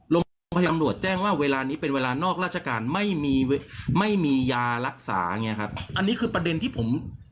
โรงพยาบาลตำรวจแจ้งว่าเวลานี้เป็นเวลานอกราชการไม่มีไม่มียารักษาอย่างเงี้ครับอันนี้คือประเด็นที่ผม